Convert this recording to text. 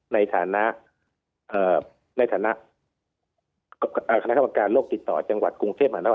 ในฐานะคณะคำวงการโรคติดต่อจังหวัดกรุงเทพฯมหานคร